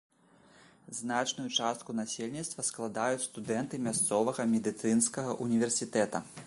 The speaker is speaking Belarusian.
Значную частку насельніцтва складаюць студэнты мясцовага медыцынскага ўніверсітэта.